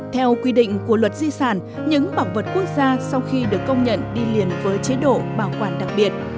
theo quy định của luật di sản những bảo vật quốc gia sau khi được công nhận đi liền với chế độ bảo quản đặc biệt